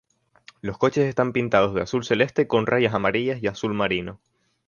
Los coches están pintados de azul celeste con rayas amarillas y azul marino.